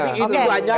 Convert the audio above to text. ini banyak ini banyak